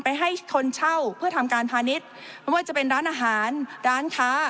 ให้คนเช่าเพื่อทำการพาณิชย์ไม่ว่าจะเป็นร้านอาหารร้านค้า